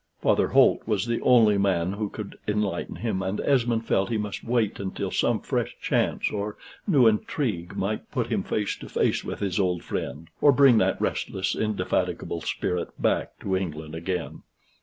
Father Holt was the only man who could enlighten him, and Esmond felt he must wait until some fresh chance or new intrigue might put him face to face with his old friend, or bring that restless indefatigable spirit back to England again.